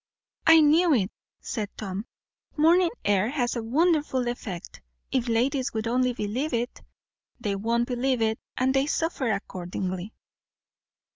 "I knew it," said Tom. "Morning air has a wonderful effect, if ladies would only believe it. They won't believe it, and they suffer accordingly."